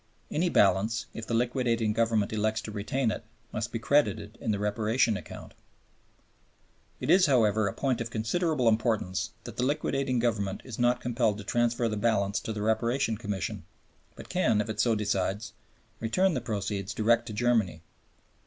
Any balance, if the liquidating Government elects to retain it, must be credited in the Reparation account. It is, however, a point of considerable importance that the liquidating Government is not compelled to transfer the balance to the Reparation Commission, but can, if it so decides, return the proceeds direct to Germany.